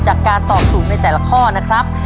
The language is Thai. จากการตอบถูกในแต่ละข้อนะครับ